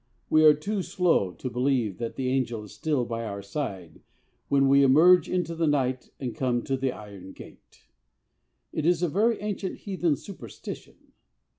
We are too slow to believe that the angel is still by our side when we emerge into the night and come to the iron gate. It is a very ancient heathen superstition.